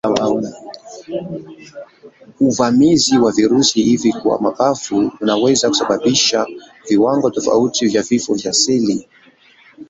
Uvamizi wa virusi hivi kwa mapafu unaweza kusababisha viwango tofauti vya vifo vya seli.